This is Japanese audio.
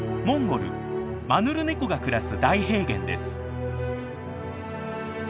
モンゴルマヌルネコが暮らす大平原です。